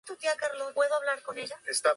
El sonido es dulce y suave.